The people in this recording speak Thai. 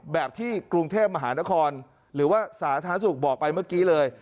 แบบที่กรุงเทพมหานครหรือว่าสาธารณสุขบอกไปเมื่อกี้เลย